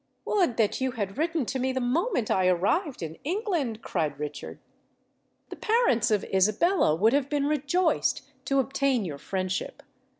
"Would that you had written to me the moment I arrived in England!" cried Richard. "The parents of Isabella would have been rejoiced to obtain your friendship!